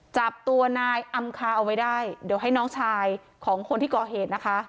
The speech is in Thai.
จับตัวนายอำคาเอาไว้ได้เดี๋ยวให้น้องชายของคนที่ก่อเหตุนะคะ